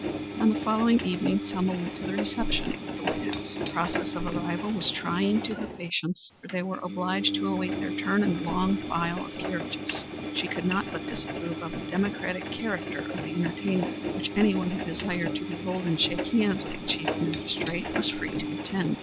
On the following evening Selma went to the reception at the White House. The process of arrival was trying to her patience, for they were obliged to await their turn in the long file of carriages. She could not but approve of the democratic character of the entertainment, which anyone who desired to behold and shake hands with the Chief Magistrate was free to attend.